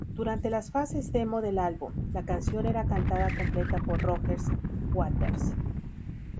Durante las fases demo del álbum, la canción era cantada completa por Roger Waters.